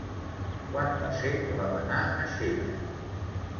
Quan va ser que vam anar a Xella?